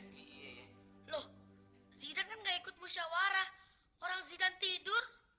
loh zidane gak ikut musyawarah orang zidane tidur